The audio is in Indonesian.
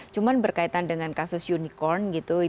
cuman berkaitan dengan kasus unicorn